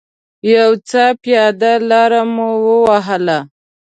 یو څه پیاده لاره مو و وهله.